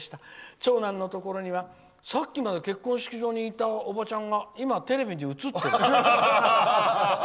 長男のところにはさっきまで結婚式場にいたおばちゃんが今テレビに映ってる。